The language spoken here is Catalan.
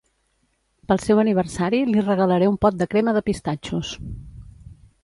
Pel seu aniversari li regalaré un pot de crema de pistatxos